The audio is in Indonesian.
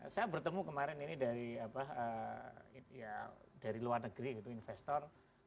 saya bertemu kemarin ini dari luar negeri gitu investor